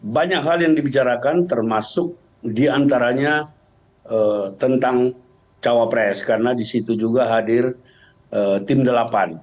banyak hal yang dibicarakan termasuk diantaranya tentang cawapres karena disitu juga hadir tim delapan